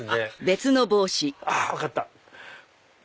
分かった！